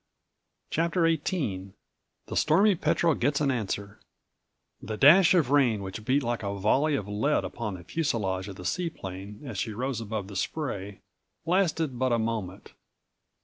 177 CHAPTER XVIIITHE STORMY PETREL GETS AN ANSWER The dash of rain which beat like a volley of lead upon the fuselage of the seaplane as she rose above the spray lasted but a moment.